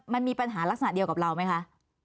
มันมีปัญหาลักษณะเดียวกับเราไหมคะ